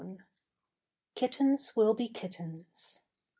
"Kittens will be Kittens."